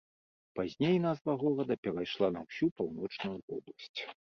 Пазней назва горада перайшла на ўсю паўночную вобласць.